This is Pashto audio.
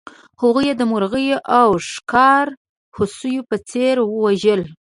هغوی یې د مرغیو او ښکار هوسیو په څېر وژل.